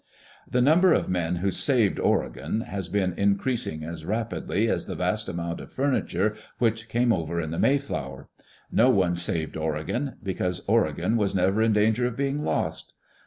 The number of men who " saved Oregon " has been increasing as rapidly as the vast amount of furniture which came over in the May flower. No one saved Oregon, because Oregon was never in danger of being lost.